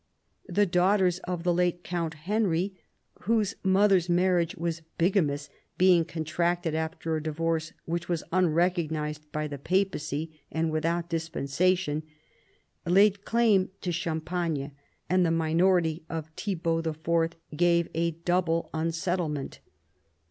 The daughters of the late Count Henry (whose mother's marriage was bigamous, being contracted after a divorce which was un recognised by the Papacy and without dispensation) laid claim to Champagne, and the minority of Thibault IV. gave a double unsettlement.